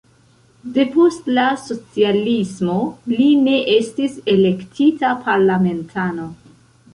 Depost la socialismo li ne estis elektita parlamentano.